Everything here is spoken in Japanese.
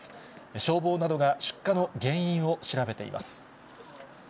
消防などが出火の原因を調べています。